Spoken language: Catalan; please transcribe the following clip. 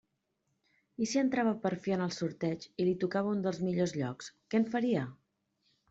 I si entrava per fi en el sorteig i li tocava un dels millors llocs, què en faria?